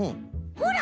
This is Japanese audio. ほら！